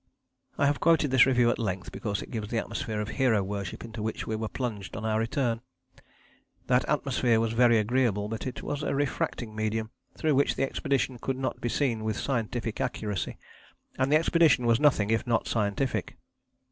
I have quoted this review at length, because it gives the atmosphere of hero worship into which we were plunged on our return. That atmosphere was very agreeable; but it was a refracting medium through which the expedition could not be seen with scientific accuracy and the expedition was nothing if not scientific.